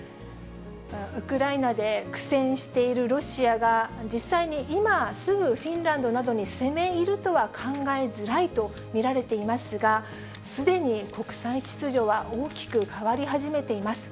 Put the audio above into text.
ウクライナで苦戦しているロシアが、実際に今すぐフィンランドなどに攻め入るとは考えづらいと見られていますが、すでに国際秩序は大きく変わり始めています。